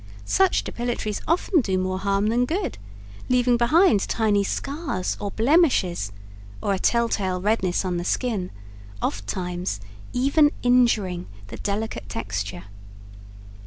Such depilatories often do more harm than good, leaving behind tiny scars or blemishes, or a tell tale redness on the skin ofttimes even injuring the delicate texture.